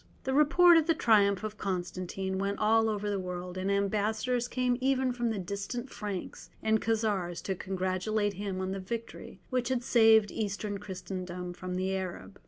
The report of the triumph of Constantine went all over the world, and ambassadors came even from the distant Franks and Khazars to congratulate him on the victory which had saved Eastern Christendom from the Arab.